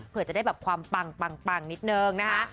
เพื่อจะได้แบบความปังนิดนึงนะคะ